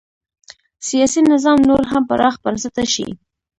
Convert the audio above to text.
سیاسي نظام نور هم پراخ بنسټه شي.